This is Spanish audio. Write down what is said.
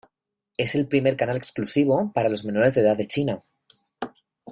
Es el primer canal exclusivo para los menores de edad de China.